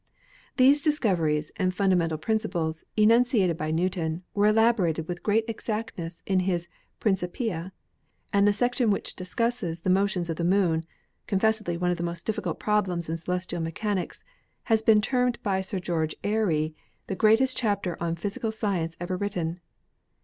These discoveries and fundamental principles enunciated by Newton were elaborated with great exactness in his 'Principia,' and the section which discusses the motions of the Moon, confessedly one of the most difficult problems in celestial mechanics, has been termed by Sir George Airy the greatest chapter on physical science ever written.